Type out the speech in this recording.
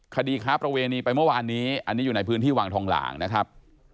คดีค้าประเวณีไปเมื่อวานนี้อันนี้อยู่ในพื้นที่วังทองหลางนะครับ